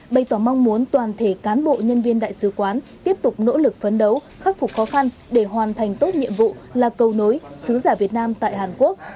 bày tỏ mong muốn toàn thể cán bộ nhân viên đại sứ quán tiếp tục nỗ lực phấn đấu khắc phục khó khăn để hoàn thành tốt nhiệm vụ là cầu nối sứ giả việt nam tại hàn quốc